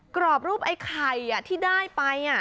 กรอบรูปไอ้ไข่ที่ได้ไป